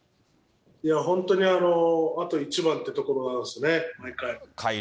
いや、本当にあと一番っていうところなんですよね、毎回。